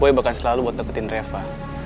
boy bahkan selalu buat deketin reva